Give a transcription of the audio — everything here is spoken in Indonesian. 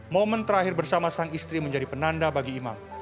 momen terakhir bersama sang istri menjadi penanda bagi imam